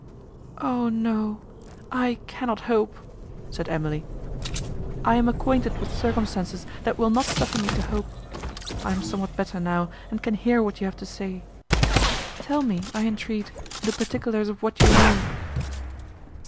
"O no! I cannot hope," said Emily, "I am acquainted with circumstances, that will not suffer me to hope. I am somewhat better now, and can hear what you have to say. Tell me, I entreat, the particulars of what you know."